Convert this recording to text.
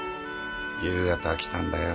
夕方来たんだよ